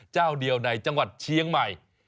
เจ้าเดียวในจังหวัดเชียงใหม่